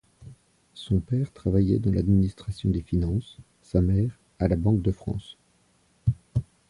Son père travaillait dans l’administration des Finances, sa mère, à la Banque de France.